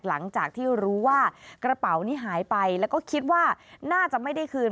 หลังจากที่รู้ว่ากระเป๋านี้หายไปแล้วก็คิดว่าน่าจะไม่ได้คืน